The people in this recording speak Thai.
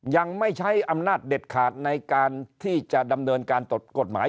ยังไม่ใช้อำนาจเด็ดขาดในการที่จะดำเนินการกฎหมาย